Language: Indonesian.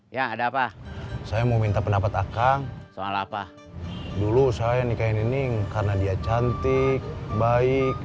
ya ada apa saya mau minta pendapat aka soal apa dulu saya nikahin nining karena dia cantik baik